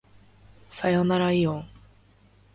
さよならいおん